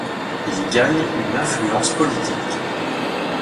Il y gagne une influence politique.